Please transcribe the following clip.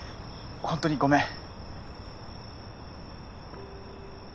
本当にごめん。